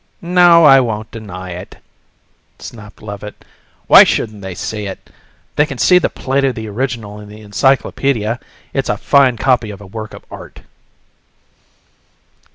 "No, I won't deny it!" snapped Levitt. "Why shouldn't they see it? They can see the plate of the original in the encyclopaedia. It's a fine copy of a work of art."